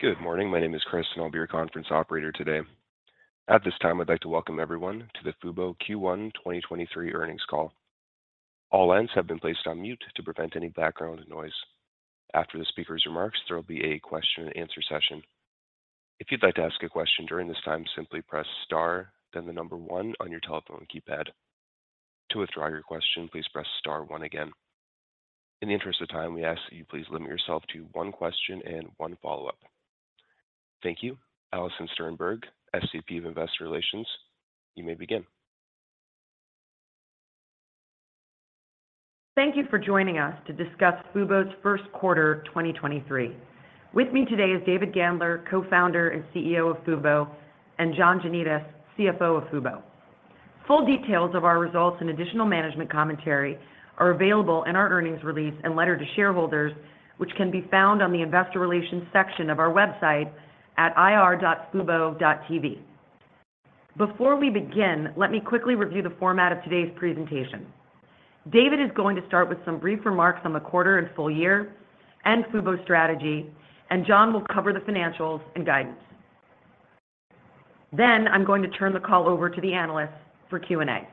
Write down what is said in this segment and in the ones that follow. Good morning. At this time, I'd like to welcome everyone to the Fubo Q1 2023 earnings call. All lines have been placed on mute to prevent any background noise. After the speaker's remarks, there will be a question and answer session. If you'd like to ask a question during this time, simply press star then the number one on your telephone keypad. To withdraw your question, please press star one again. In the interest of time, we ask that you please limit yourself to one question and one follow-up. Thank you. Alison Sternberg, SVP of Investor Relations, you may begin. Thank you for joining us to discuss Fubo's first quarter 2023. With me today is David Gandler, Co-Founder and CEO of Fubo, and John Janedis, CFO of Fubo. Full details of our results and additional management commentary are available in our earnings release and letter to shareholders, which can be found on the investor relations section of our website at ir.fubo.tv. Before we begin, let me quickly review the format of today's presentation. David is going to start with some brief remarks on the quarter and full year and Fubo's strategy, and John will cover the financials and guidance. Then I'm going to turn the call over to the analysts for Q&A.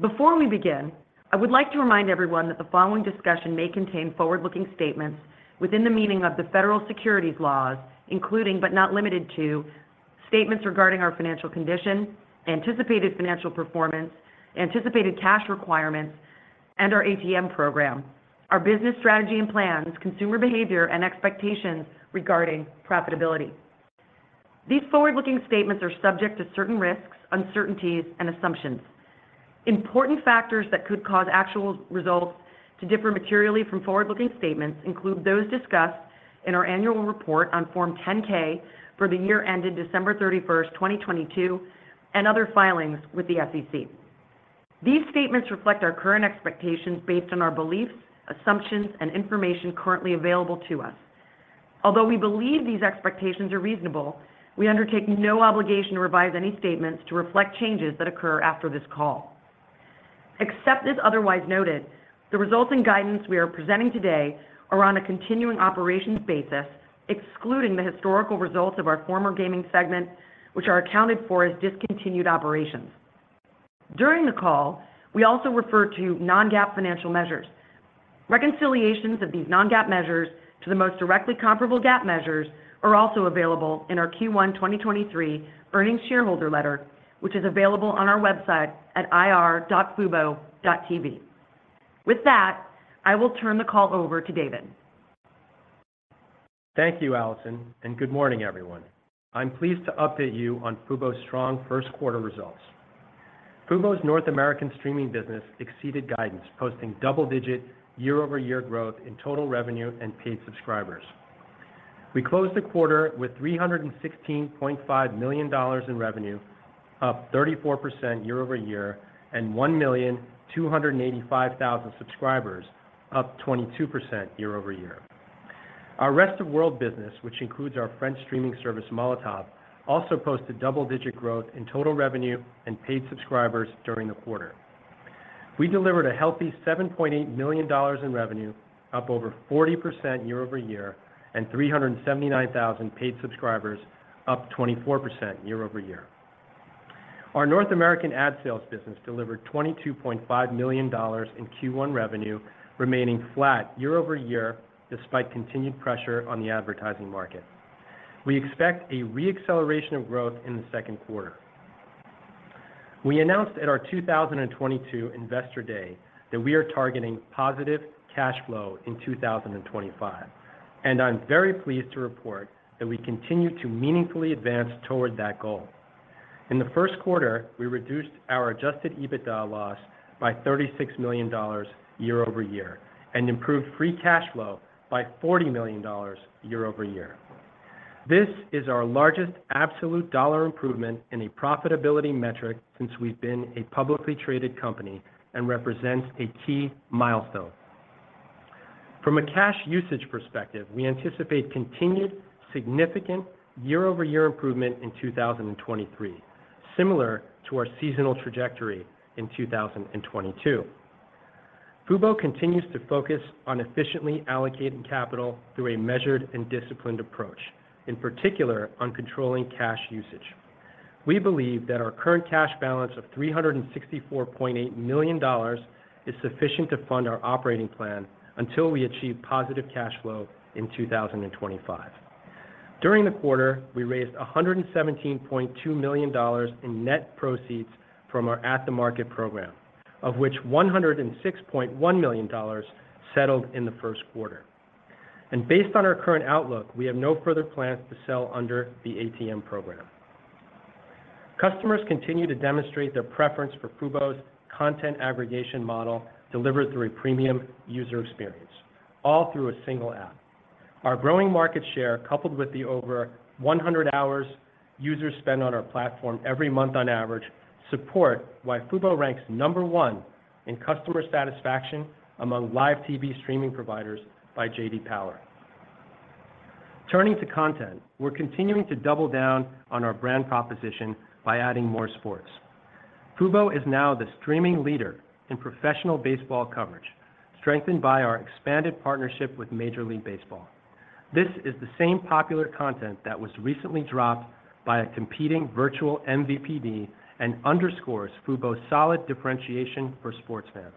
Before we begin, I would like to remind everyone that the following discussion may contain forward-looking statements within the meaning of the federal securities laws, including, but not limited to, statements regarding our financial condition, anticipated financial performance, anticipated cash requirements, and our ATM program, our business strategy and plans, consumer behavior, and expectations regarding profitability. These forward-looking statements are subject to certain risks, uncertainties and assumptions. Important factors that could cause actual results to differ materially from forward-looking statements include those discussed in our annual report on Form 10-K for the year ended December 31st, 2022, and other filings with the SEC. These statements reflect our current expectations based on our beliefs, assumptions, and information currently available to us. Although we believe these expectations are reasonable, we undertake no obligation to revise any statements to reflect changes that occur after this call. Except as otherwise noted, the results and guidance we are presenting today are on a continuing operations basis, excluding the historical results of our former gaming segment, which are accounted for as discontinued operations. During the call, we also refer to Non-GAAP financial measures. Reconciliations of these Non-GAAP measures to the most directly comparable GAAP measures are also available in our Q1 2023 earnings shareholder letter, which is available on our website at ir.fubo.tv. With that, I will turn the call over to David. Thank you, Alison, and good morning, everyone. I'm pleased to update you on Fubo's strong first quarter results. Fubo's North American streaming business exceeded guidance, posting double-digit year-over-year growth in total revenue and paid subscribers. We closed the quarter with $316.5 million in revenue, up 34% year-over-year, and 1,285,000 subscribers, up 22% year-over-year. Our Rest of World business, which includes our French streaming service, Molotov, also posted double-digit growth in total revenue and paid subscribers during the quarter. We delivered a healthy $7.8 million in revenue, up over 40% year-over-year, and 379,000 paid subscribers, up 24% year-over-year. Our North American ad sales business delivered $22.5 million in Q1 revenue, remaining flat year-over-year despite continued pressure on the advertising market. We expect a re-acceleration of growth in the second quarter. We announced at our 2022 Investor Day that we are targeting positive cash flow in 2025. I'm very pleased to report that we continue to meaningfully advance toward that goal. In the first quarter, we reduced our adjusted EBITDA loss by $36 million year-over-year and improved free cash flow by $40 million year-over-year. This is our largest absolute dollar improvement in a profitability metric since we've been a publicly traded company and represents a key milestone. From a cash usage perspective, we anticipate continued significant year-over-year improvement in 2023, similar to our seasonal trajectory in 2022. Fubo continues to focus on efficiently allocating capital through a measured and disciplined approach, in particular on controlling cash usage. We believe that our current cash balance of $364.8 million is sufficient to fund our operating plan until we achieve positive cash flow in 2025. During the quarter, we raised $117.2 million in net proceeds from our At the Market program, of which $106.1 million settled in the first quarter. Based on our current outlook, we have no further plans to sell under the ATM program. Customers continue to demonstrate their preference for Fubo's content aggregation model delivered through a premium user experience, all through a single app. Our growing market share, coupled with the over 100 hours users spend on our platform every month on average, support why Fubo ranks number 1 in customer satisfaction among live TV streaming providers by J.D. Power. Turning to content, we're continuing to double down on our brand proposition by adding more sports. Fubo is now the streaming leader in professional baseball coverage, strengthened by our expanded partnership with Major League Baseball. This is the same popular content that was recently dropped by a competing virtual MVPD and underscores Fubo's solid differentiation for sports fans.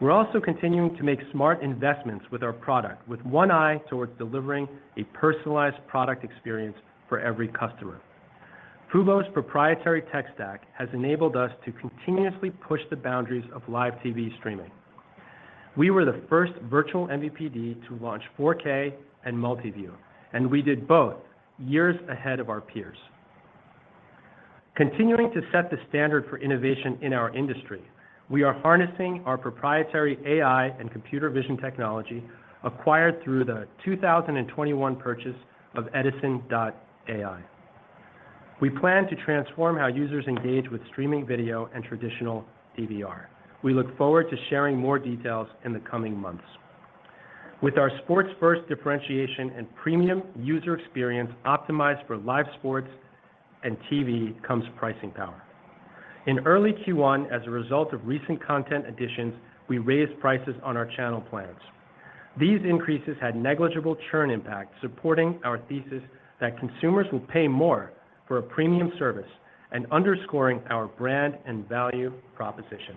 We're also continuing to make smart investments with our product, with one eye towards delivering a personalized product experience for every customer. Fubo's proprietary tech stack has enabled us to continuously push the boundaries of live TV streaming. We were the first virtual MVPD to launch 4K and Multiview, and we did both years ahead of our peers. Continuing to set the standard for innovation in our industry, we are harnessing our proprietary AI and computer vision technology acquired through the 2021 purchase of Edisn.ai. We plan to transform how users engage with streaming video and traditional DVR. We look forward to sharing more details in the coming months. With our sports-first differentiation and premium user experience optimized for live sports and TV comes pricing power. In early Q1, as a result of recent content additions, we raised prices on our channel plans. These increases had negligible churn impact, supporting our thesis that consumers will pay more for a premium service and underscoring our brand and value proposition.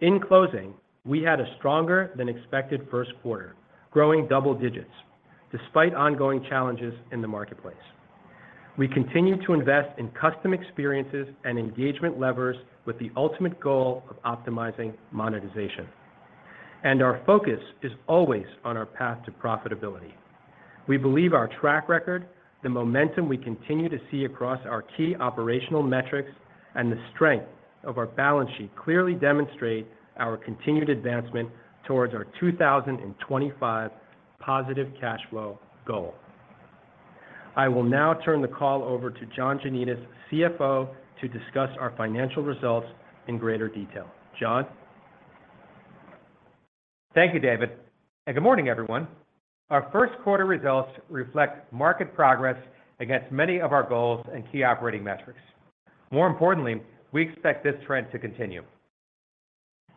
In closing, we had a stronger than expected first quarter, growing double digits despite ongoing challenges in the marketplace. We continue to invest in custom experiences and engagement levers with the ultimate goal of optimizing monetization. Our focus is always on our path to profitability. We believe our track record, the momentum we continue to see across our key operational metrics, and the strength of our balance sheet clearly demonstrate our continued advancement towards our 2025 positive cash flow goal. I will now turn the call over to John Janedis, CFO, to discuss our financial results in greater detail. John. Thank you, David, and good morning, everyone. Our first quarter results reflect market progress against many of our goals and key operating metrics. More importantly, we expect this trend to continue.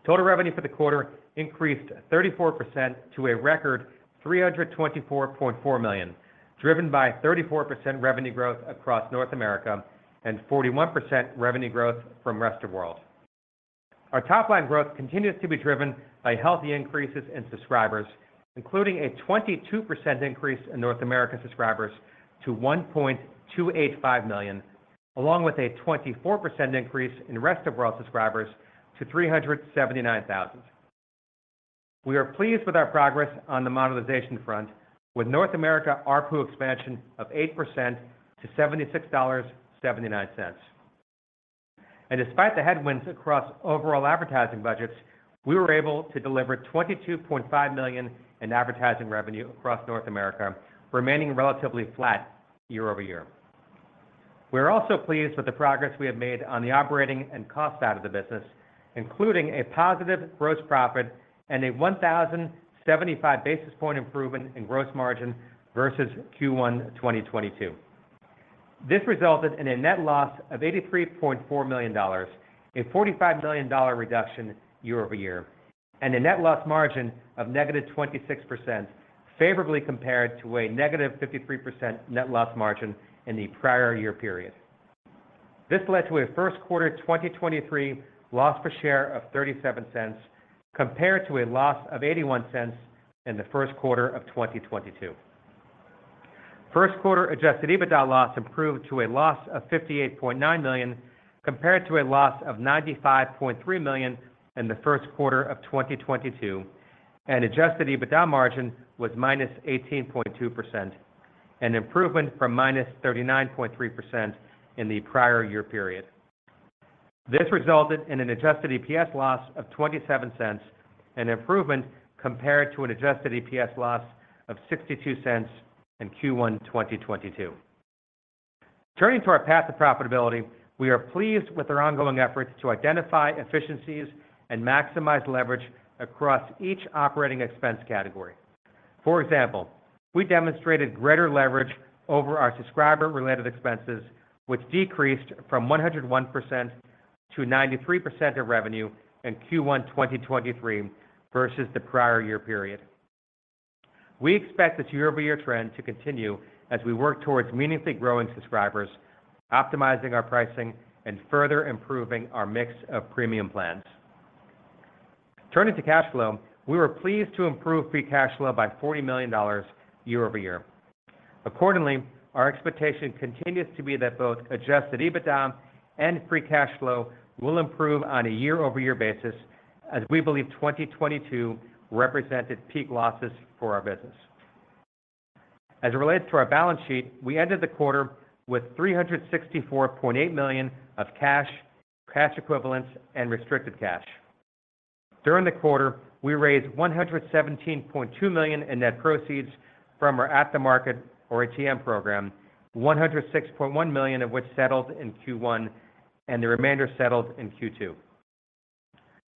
Total revenue for the quarter increased 34% to a record $324.4 million, driven by 34% revenue growth across North America and 41% revenue growth from rest of world. Our top line growth continues to be driven by healthy increases in subscribers, including a 22% increase in North American subscribers to 1.285 million, along with a 24% increase in rest of world subscribers to 379,000. We are pleased with our progress on the monetization front with North America ARPU expansion of 8% to $76.79. Despite the headwinds across overall advertising budgets, we were able to deliver $22.5 million in advertising revenue across North America, remaining relatively flat year-over-year. We're also pleased with the progress we have made on the operating and cost side of the business, including a positive gross profit and a 1,075 basis point improvement in gross margin versus Q1 2022. This resulted in a net loss of $83.4 million, a $45 million reduction year-over-year, and a net loss margin of negative 26% favorably compared to a negative 53% net loss margin in the prior year period. This led to a first quarter 2023 loss per share of $0.37 compared to a loss of $0.81 in the first quarter of 2022. First quarter adjusted EBITDA loss improved to a loss of $58.9 million compared to a loss of $95.3 million in the first quarter of 2022, and adjusted EBITDA margin was minus 18.2%, an improvement from minus 39.3% in the prior year period. This resulted in an adjusted EPS loss of $0.27, an improvement compared to an adjusted EPS loss of $0.62 in Q1 2022. Turning to our path to profitability, we are pleased with our ongoing efforts to identify efficiencies and maximize leverage across each operating expense category. For example, we demonstrated greater leverage over our subscriber-related expenses, which decreased from 101% - 93% of revenue in Q1 2023 versus the prior year period. We expect the year-over-year trend to continue as we work towards meaningfully growing subscribers, optimizing our pricing, and further improving our mix of premium plans. Turning to cash flow, we were pleased to improve free cash flow by $40 million year-over-year. Accordingly, our expectation continues to be that both adjusted EBITDA and free cash flow will improve on a year-over-year basis as we believe 2022 represented peak losses for our business. As it relates to our balance sheet, we ended the quarter with $364.8 million of cash equivalents, and restricted cash. During the quarter, we raised $117.2 million in net proceeds from our at-the-market or ATM program, $106.1 million of which settled in Q1 and the remainder settled in Q2.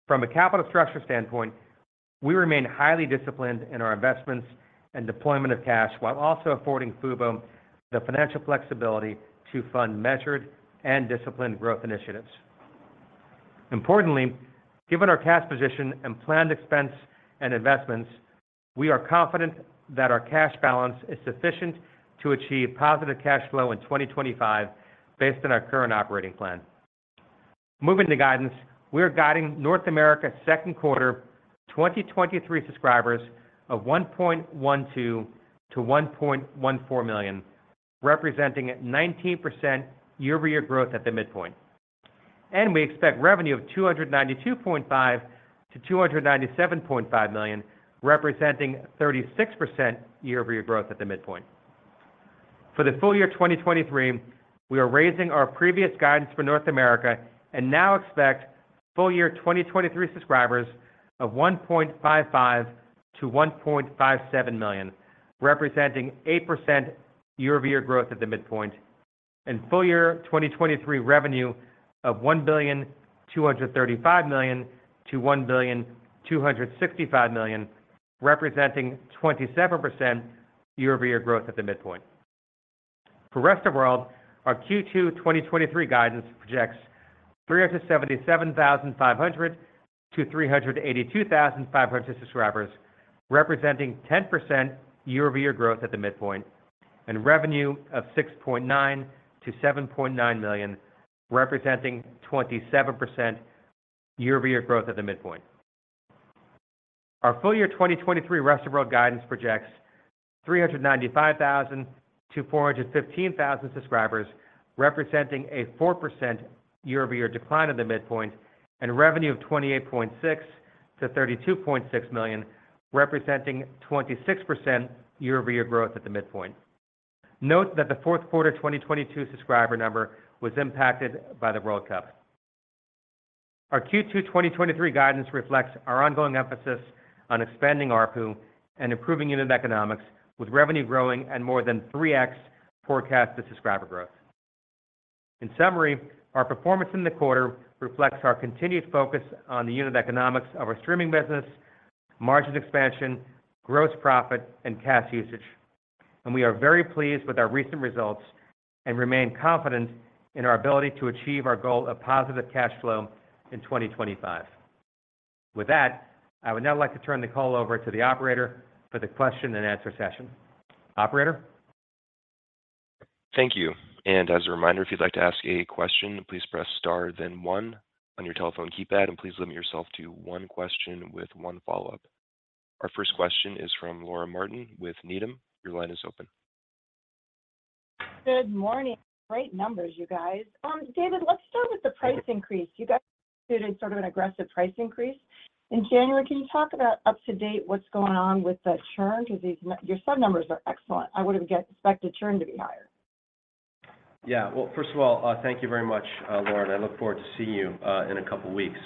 From a capital structure standpoint, we remain highly disciplined in our investments and deployment of cash, while also affording Fubo the financial flexibility to fund measured and disciplined growth initiatives. Importantly, given our cash position and planned expense and investments, we are confident that our cash balance is sufficient to achieve positive cash flow in 2025 based on our current operating plan. Moving to guidance, we are guiding North America's second quarter 2023 subscribers of 1.12 million-1.14 million, representing 19% year-over-year growth at the midpoint. We expect revenue of $292.5 million-$297.5 million, representing 36% year-over-year growth at the midpoint. For the full year 2023, we are raising our previous guidance for North America and now expect full year 2023 subscribers of 1.55 million-1.57 million, representing 8% year-over-year growth at the midpoint. Full year 2023 revenue of $1.235 billion-$1.265 billion, representing 27% year-over-year growth at the midpoint. For rest of world, our Q2 2023 guidance projects 377,500-382,500 subscribers, representing 10% year-over-year growth at the midpoint, and revenue of $6.9 million-$7.9 million, representing 27% year-over-year growth at the midpoint. Our full year 2023 rest of world guidance projects 395,000-415,000 subscribers, representing a 4% year-over-year decline at the midpoint, and revenue of $28.6 million-$32.6 million, representing 26% year-over-year growth at the midpoint. Note that the fourth quarter 2022 subscriber number was impacted by the World Cup. Our Q2 2023 guidance reflects our ongoing emphasis on expanding ARPU and improving unit economics, with revenue growing at more than 3x forecast to subscriber growth. In summary, our performance in the quarter reflects our continued focus on the unit economics of our streaming business, margin expansion, gross profit, and cash usage. We are very pleased with our recent results and remain confident in our ability to achieve our goal of positive cash flow in 2025. With that, I would now like to turn the call over to the operator for the question and answer session. Operator? Thank you. As a reminder, if you'd like to ask a question, please press star then one on your telephone keypad. Please limit yourself to one question with one follow-up. Our first question is from Laura Martin with Needham. Your line is open. Good morning. Great numbers, you guys. David, let's start with the price increase. You guys did a sort of an aggressive price increase in January. Can you talk about up to date what's going on with the churn? Your sub numbers are excellent. I would have expected churn to be higher. Yeah. Well, first of all, thank you very much, Laura, and I look forward to seeing you in a couple weeks.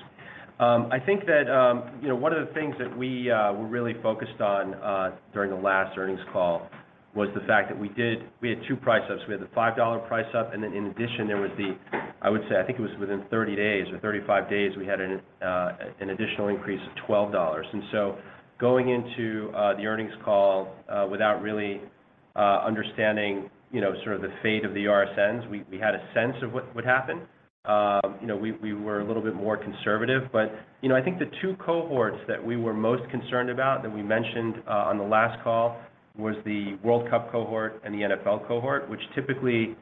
I think that, you know, one of the things that we were really focused on during the last earnings call was the fact that we had two price ups. We had the $5 price up, and then in addition, there was the, I would say, I think it was within 30 days or 35 days, we had an additional increase of $12. Going into the earnings call, without really understanding, you know, sort of the fate of the RSNs, we had a sense of what would happen. You know, we were a little bit more conservative. You know, I think the two cohorts that we were most concerned about that we mentioned on the last call was the World Cup cohort and the NFL cohort, which typically,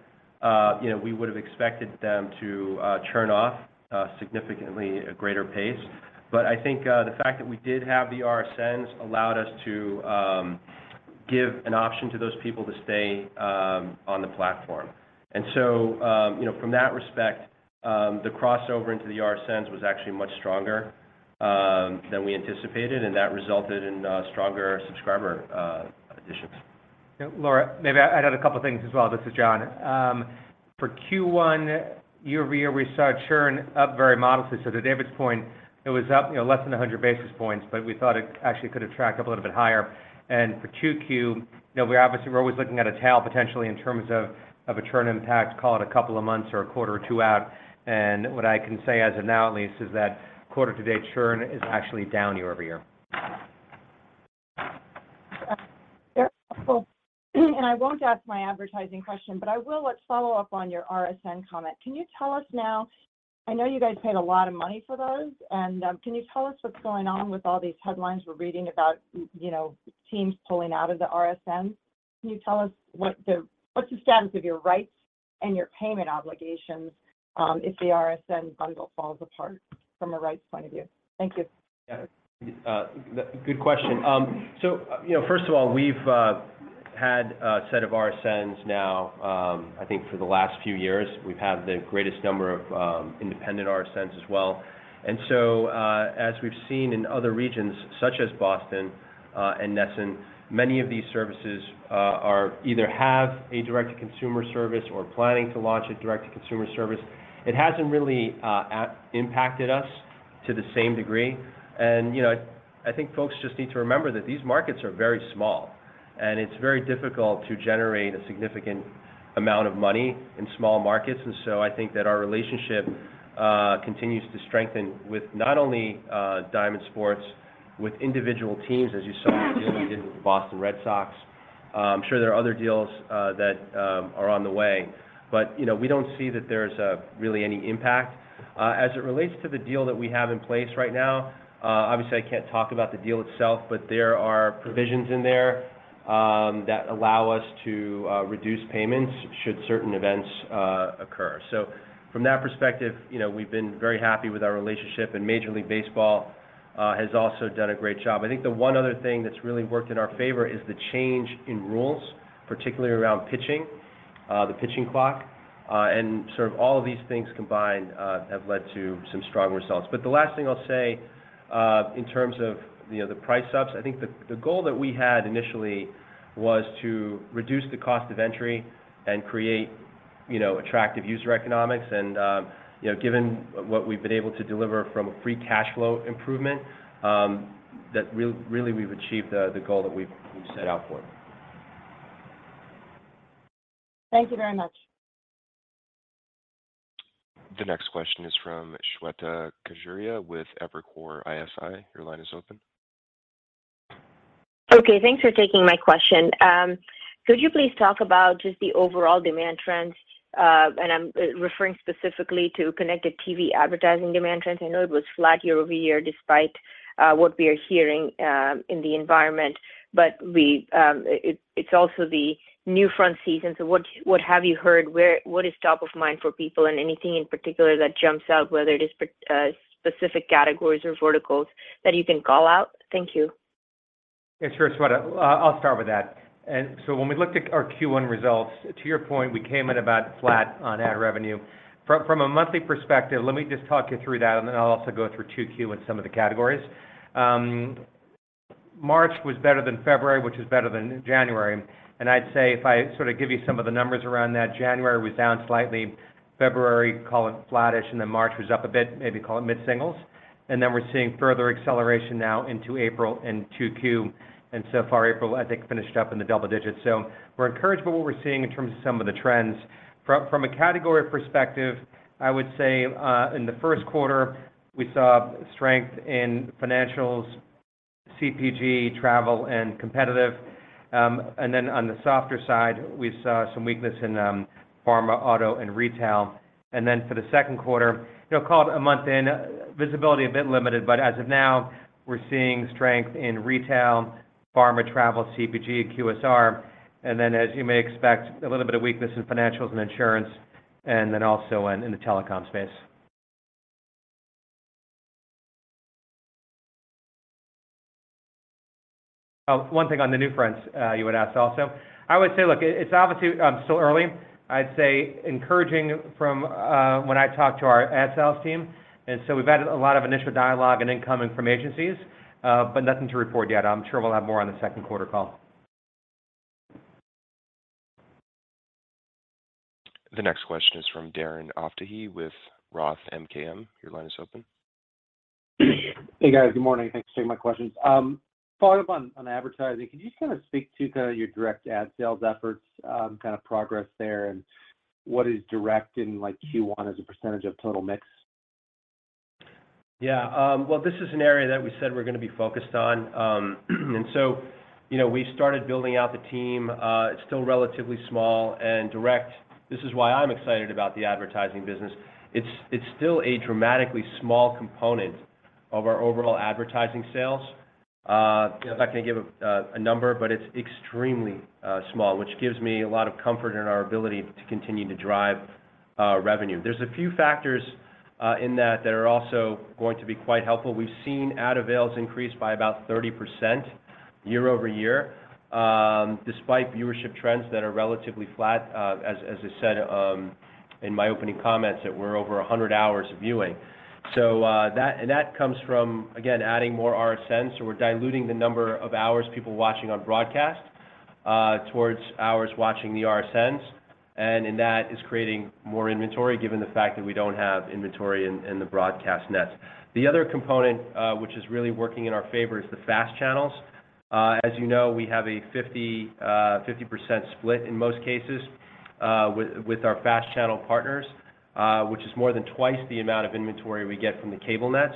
you know, we would have expected them to churn off significantly at greater pace. I think the fact that we did have the RSNs allowed us to give an option to those people to stay on the platform. You know, from that respect, the crossover into the RSNs was actually much stronger than we anticipated, and that resulted in stronger subscriber additions. Laura, maybe I'd add a couple of things as well. This is John. For Q1 year-over-year, we saw churn up very modestly. To David's point, it was up, you know, less than 100 basis points, but we thought it actually could attract a little bit higher. For 2Q, you know, we obviously, we're always looking at a tail potentially in terms of a churn impact, call it a couple of months or a quarter or two out. What I can say as of now, at least, is that quarter-to-date churn is actually down year-over-year. Yeah. Well, I won't ask my advertising question, but I will, let's follow up on your RSN comment. I know you guys paid a lot of money for those. Can you tell us what's going on with all these headlines we're reading about, you know, teams pulling out of the RSNs? Can you tell us what's the status of your rights and your payment obligations if the RSN bundle falls apart from a rights point of view? Thank you. Yeah. Good question. You know, first of all, we've had a set of RSNs now, I think for the last few years. We've had the greatest number of independent RSNs as well. As we've seen in other regions, such as Boston, and NESN, many of these services are either have a direct-to-consumer service or planning to launch a direct-to-consumer service. It hasn't really impacted us to the same degree. You know, I think folks just need to remember that these markets are very small. It's very difficult to generate a significant amount of money in small markets. I think that our relationship continues to strengthen with not only Diamond Sports with individual teams, as you saw the deal we did with the Boston Red Sox. I'm sure there are other deals that are on the way. You know, we don't see that there's really any impact. As it relates to the deal that we have in place right now, obviously, I can't talk about the deal itself, but there are provisions in there that allow us to reduce payments should certain events occur. From that perspective, you know, we've been very happy with our relationship, and Major League Baseball has also done a great job. I think the one other thing that's really worked in our favor is the change in rules, particularly around pitching, the pitching clock, and sort of all of these things combined, have led to some stronger results. The last thing I'll say, in terms of, you know, the price ups, I think the goal that we had initially was to reduce the cost of entry and create, you know, attractive user economics. And, you know, given what we've been able to deliver from a free cash flow improvement, that really we've achieved the goal that we've set out for. Thank you very much. The next question is from Shweta Khajuria with Evercore ISI. Your line is open. Okay. Thanks for taking my question. Could you please talk about just the overall demand trends? I'm referring specifically to connected TV advertising demand trends. I know it was flat year-over-year, despite what we are hearing in the environment. It's also the NewFronts season. What have you heard? What is top of mind for people and anything in particular that jumps out, whether it is specific categories or verticals that you can call out? Thank you. Yeah, sure, Shweta. I'll start with that. When we looked at our Q1 results, to your point, we came in about flat on ad revenue. From a monthly perspective, let me just talk you through that, and then I'll also go through Q2 in some of the categories. March was better than February, which was better than January. I'd say if I sort of give you some of the numbers around that, January was down slightly, February, call it flattish, and then March was up a bit, maybe call it mid-singles. We're seeing further acceleration now into April and Q2. April, I think, finished up in the double digits. We're encouraged by what we're seeing in terms of some of the trends. From a category perspective, I would say, in the first quarter, we saw strength in financials, CPG, travel, and competitive. On the softer side, we saw some weakness in pharma, auto, and retail. For the second quarter, you know, call it a month in, visibility a bit limited, but as of now, we're seeing strength in retail, pharma, travel, CPG, QSR. As you may expect, a little bit of weakness in financials and insurance, and then also in the telecom space. One thing on the NewFronts, you had asked also. I would say, look, it's obviously still early. I'd say encouraging from when I talked to our ad sales team. We've added a lot of initial dialogue and income from agencies, but nothing to report yet. I'm sure we'll have more on the second quarter call. The next question is from Darren Aftahi with Roth MKM. Your line is open. Hey, guys. Good morning. Thanks for taking my questions. Follow up on advertising. Can you just speak to your direct ad sales efforts, progress there and what is direct in, like, Q1 as a % of total mix? Yeah, well, this is an area that we said we're gonna be focused on. You know, we started building out the team. It's still relatively small and direct. This is why I'm excited about the advertising business. It's still a dramatically small component of our overall advertising sales. I'm not gonna give a number, but it's extremely small, which gives me a lot of comfort in our ability to continue to drive revenue. There's a few factors in that that are also going to be quite helpful. We've seen ad avails increase by about 30% year-over-year, despite viewership trends that are relatively flat, as I said in my opening comments that we're over 100 hours of viewing. That and that comes from, again, adding more RSNs. We're diluting the number of hours people watching on broadcast towards hours watching the RSNs. In that is creating more inventory, given the fact that we don't have inventory in the broadcast nets. The other component, which is really working in our favor is the FAST channels. As you know, we have a 50% split in most cases with our FAST channel partners, which is more than twice the amount of inventory we get from the cable nets.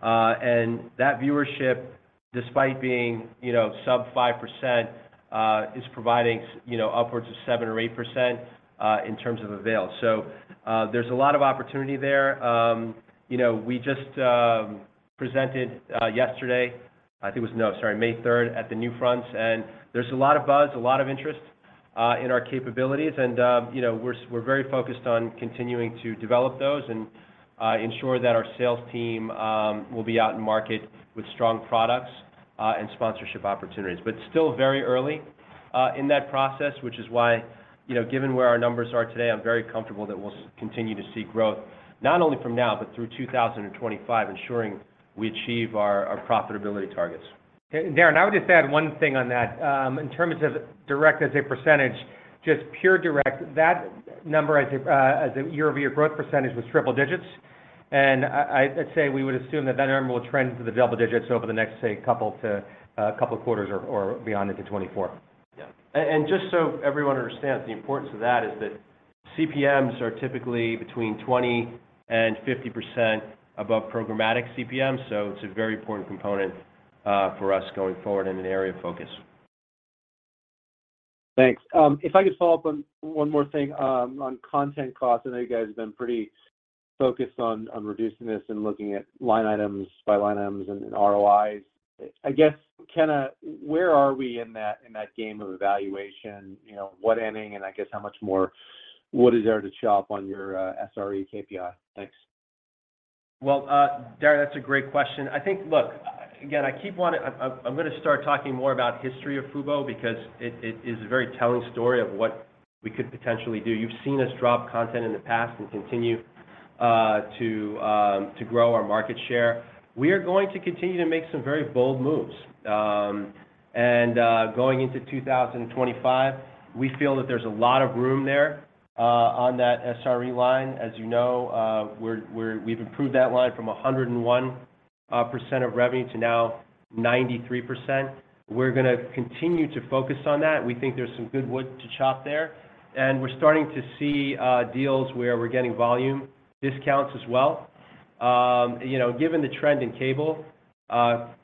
That viewership, despite being, you know, sub 5%, is providing, you know, upwards of 7% or 8% in terms of avail. There's a lot of opportunity there. You know, we just presented yesterday, I think it was May third at the NewFronts, and there's a lot of buzz, a lot of interest in our capabilities. You know, we're very focused on continuing to develop those and ensure that our sales team will be out in market with strong products and sponsorship opportunities. Still very early in that process, which is why, you know, given where our numbers are today, I'm very comfortable that we'll continue to see growth, not only from now but through 2025, ensuring we achieve our profitability targets. Darren, I would just add one thing on that. In terms of direct as a percentage, just pure direct, that number as a year-over-year growth % was triple digits. I'd say we would assume that that number will trend to the double digits over the next, say, couple to, couple quarters or beyond into 2024. Yeah. Just so everyone understands, the importance of that is that CPMs are typically between 20% and 50% above programmatic CPMs, so it's a very important component for us going forward and an area of focus. Thanks. If I could follow up on one more thing, on content costs. I know you guys have been pretty focused on reducing this and looking at line items, by line items and ROIs. I guess, kinda, where are we in that, in that game of evaluation? You know, what inning, and I guess how much more wood is there to chop on your SRE KPI? Thanks. Well, Darren, that's a great question. I think. Look, again, I'm gonna start talking more about history of Fubo because it is a very telling story of what we could potentially do. You've seen us drop content in the past and continue to grow our market share. We are going to continue to make some very bold moves. Going into 2025, we feel that there's a lot of room there on that SRE line. As you know, we've improved that line from 101% of revenue to now 93%. We're gonna continue to focus on that. We think there's some good wood to chop there, and we're starting to see deals where we're getting volume discounts as well. You know, given the trend in cable,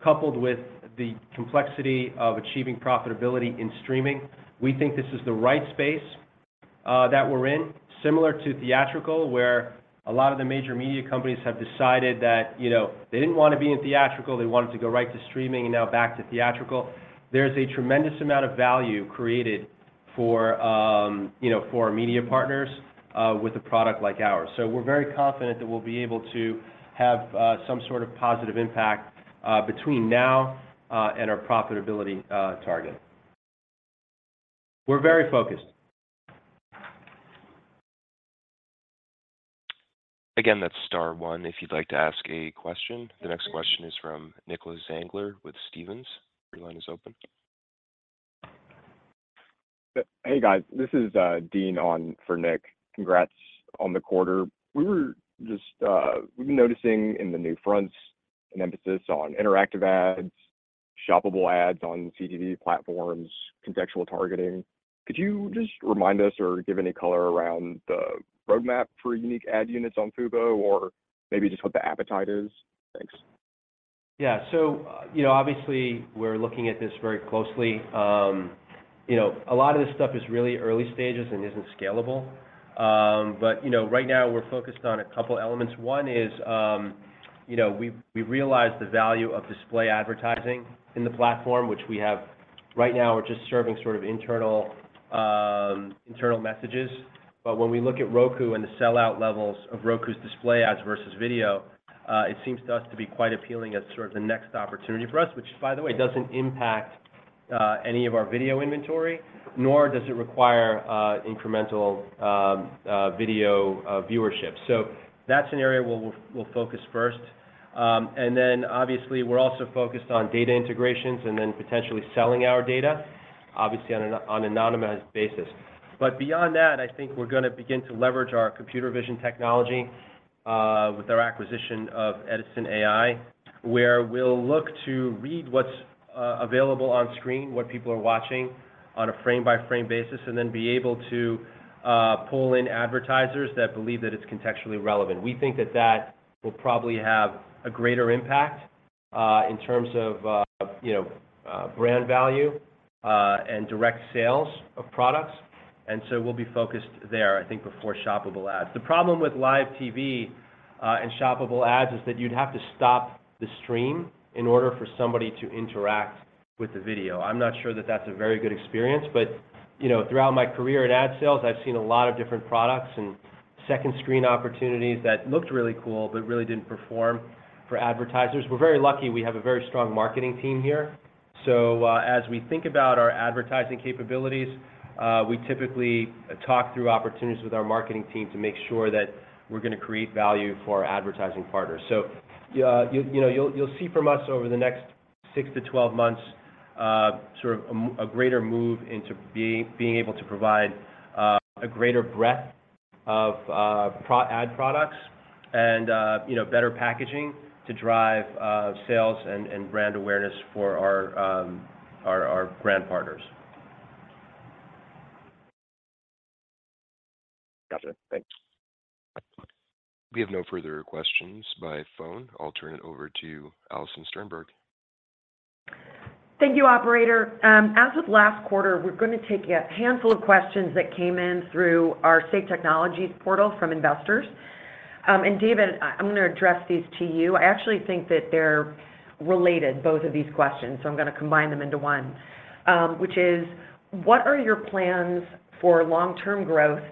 coupled with the complexity of achieving profitability in streaming, we think this is the right space that we're in. Similar to theatrical, where a lot of the major media companies have decided that, you know, they didn't wanna be in theatrical, they wanted to go right to streaming and now back to theatrical. There's a tremendous amount of value created for, you know, for our media partners, with a product like ours. We're very confident that we'll be able to have some sort of positive impact between now and our profitability target. We're very focused. Again, that's star one if you'd like to ask a question. The next question is from Nicholas Zangler with Stephens. Your line is open. Hey, guys. This is Dean on for Nick. Congrats on the quarter. We've been noticing in the NewFronts an emphasis on interactive ads, shoppable ads on CTV platforms, contextual targeting. Could you just remind us or give any color around the roadmap for unique ad units on Fubo, or maybe just what the appetite is? Thanks. Yeah. You know, obviously, we're looking at this very closely. You know, a lot of this stuff is really early stages and isn't scalable. You know, right now we're focused on a couple elements. One is, you know, we realize the value of display advertising in the platform, which we have. Right now we're just serving sort of internal messages. When we look at Roku and the sell-out levels of Roku's display ads versus video, it seems to us to be quite appealing as sort of the next opportunity for us. Which, by the way, doesn't impact any of our video inventory, nor does it require incremental video viewership. That's an area we'll focus first. Then obviously, we're also focused on data integrations then potentially selling our data, obviously on an anonymous basis. Beyond that, I think we're gonna begin to leverage our computer vision technology with our acquisition of Edisn.ai, where we'll look to read what's available on screen, what people are watching on a frame-by-frame basis, then be able to pull in advertisers that believe that it's contextually relevant. We think that that will probably have a greater impact in terms of, you know, brand value and direct sales of products. So we'll be focused there, I think, before shoppable ads. The problem with live TV and shoppable ads is that you'd have to stop the stream in order for somebody to interact with the video. I'm not sure that that's a very good experience, but, you know, throughout my career in ad sales, I've seen a lot of different products and second screen opportunities that looked really cool, but really didn't perform for advertisers. We're very lucky we have a very strong marketing team here. As we think about our advertising capabilities, we typically talk through opportunities with our marketing team to make sure that we're gonna create value for our advertising partners. You know, you'll see from us over the next six to 12 months, sort of a greater move into being able to provide a greater breadth of ad products and, you know, better packaging to drive sales and brand awareness for our brand partners. Gotcha. Thanks. We have no further questions by phone. I'll turn it over to Alison Sternberg. Thank you, operator. As of last quarter, we're gonna take a handful of questions that came in through our Say Technologies portal from investors. David, I'm gonna address these to you. I actually think that they're related, both of these questions, so I'm gonna combine them into one. Which is, what are your plans for long-term growth?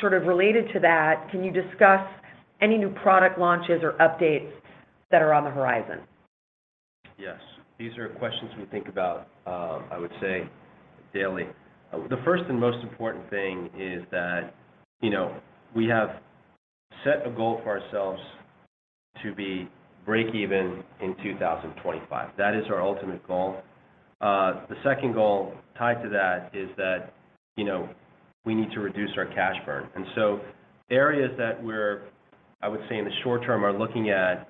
Sort of related to that, can you discuss any new product launches or updates that are on the horizon? Yes. These are questions we think about, I would say daily. The first and most important thing is that, you know, we have set a goal for ourselves to be breakeven in 2025. That is our ultimate goal. The second goal tied to that is that, you know, we need to reduce our cash burn. Areas that we're, I would say in the short term, are looking at,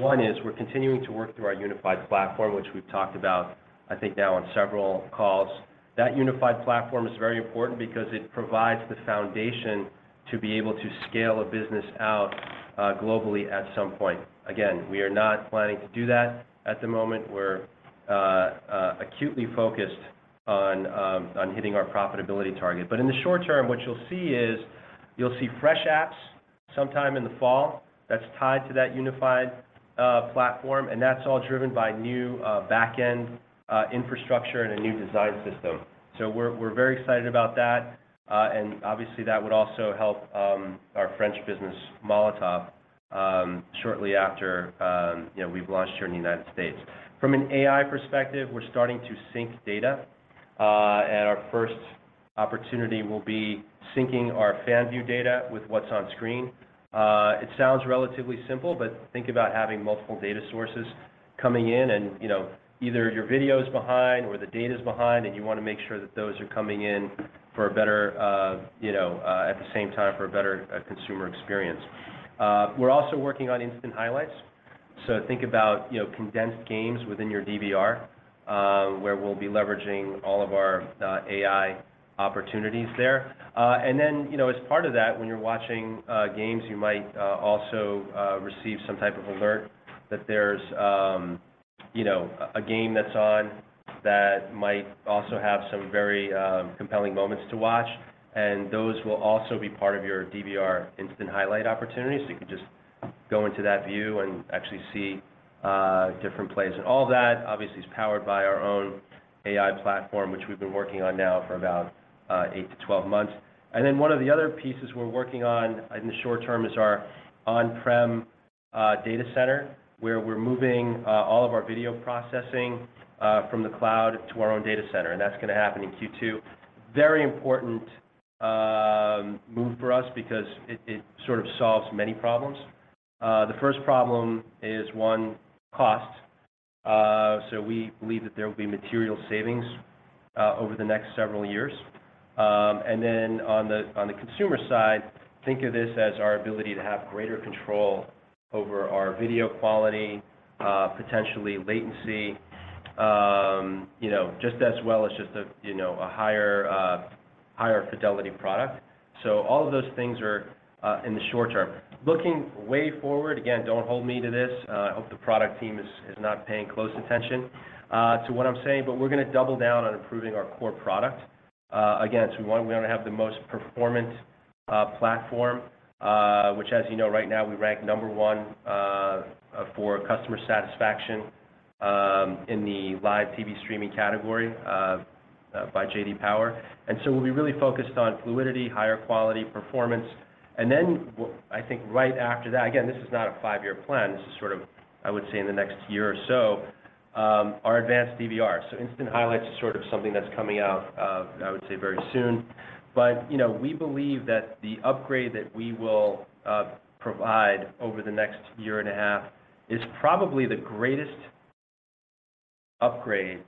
one is we're continuing to work through our unified platform, which we've talked about, I think now on several calls. That unified platform is very important because it provides the foundation to be able to scale a business out globally at some point. Again, we are not planning to do that at the moment. We're acutely focused on hitting our profitability target. In the short term, what you'll see is you'll see fresh apps sometime in the fall that's tied to that unified platform, and that's all driven by new back-end infrastructure and a new design system. We're very excited about that, and obviously, that would also help our French business, Molotov, shortly after, you know, we've launched here in the United States. From an AI perspective, we're starting to sync data, and our first opportunity will be syncing our FanView data with what's on screen. It sounds relatively simple, but think about having multiple data sources coming in and, you know, either your video's behind or the data's behind, and you wanna make sure that those are coming in for a better, you know, at the same time for a better consumer experience. We're also working on instant highlights, so think about, you know, condensed games within your DVR, where we'll be leveraging all of our AI opportunities there. Then, you know, as part of that, when you're watching games, you might also receive some type of alert that there's, you know, a game that's on that might also have some very compelling moments to watch, and those will also be part of your DVR instant highlight opportunities. So you can just go into that view and actually see different plays. All that obviously is powered by our own AI platform, which we've been working on now for about 8 to 12 months. One of the other pieces we're working on in the short term is our on-prem data center, where we're moving all of our video processing from the cloud to our own data center, and that's gonna happen in Q2. Very important move for us because it sort of solves many problems. The first problem is 1, cost. We believe that there will be material savings over the next several years. On the consumer side, think of this as our ability to have greater control over our video quality, potentially latency, you know, just as well as just a, you know, a higher fidelity product. All of those things are in the short term. Looking way forward, again, don't hold me to this, I hope the product team is not paying close attention to what I'm saying, we're gonna double down on improving our core product. Again, we wanna have the most performant platform, which as you know, right now, we rank number one for customer satisfaction in the live TV streaming category by J.D. Power. So we'll be really focused on fluidity, higher quality, performance. Then I think right after that, again, this is not a five-year plan, this is sort of, I would say, in the next year or so, our advanced DVR. Instant highlights is sort of something that's coming out, I would say very soon. You know, we believe that the upgrade that we will provide over the next year and a half is probably the greatest upgrade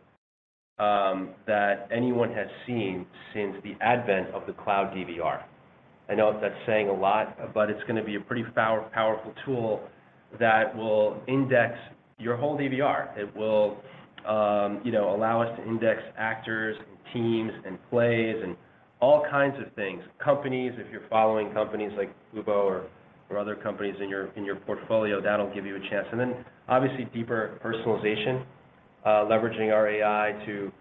that anyone has seen since the advent of the cloud DVR. I know that's saying a lot, but it's gonna be a pretty powerful tool that will index your whole DVR. It will, you know, allow us to index actors and teams and plays and all kinds of things. Companies, if you're following companies like Fubo or other companies in your portfolio, that'll give you a chance. Obviously, deeper personalization, leveraging our AI to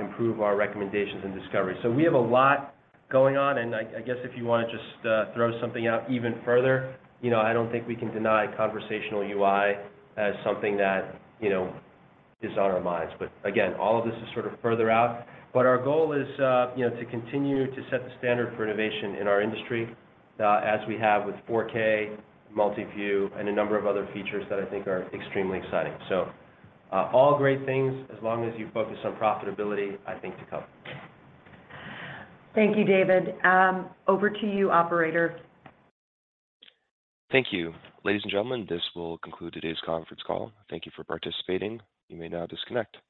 improve our recommendations and discovery. We have a lot going on, and I guess if you wanna just throw something out even further, you know, I don't think we can deny conversational UI as something that, you know, is on our minds. Again, all of this is sort of further out. Our goal is, you know, to continue to set the standard for innovation in our industry, as we have with 4K, Multiview, and a number of other features that I think are extremely exciting. All great things as long as you focus on profitability, I think to come. Thank you, David. Over to you, operator. Thank you. Ladies and gentlemen, this will conclude today's conference call. Thank you for participating. You may now disconnect.